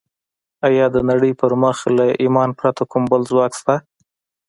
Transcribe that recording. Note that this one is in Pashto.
ایا د نړۍ پر مخ له ایمانه پرته کوم بل ځواک شته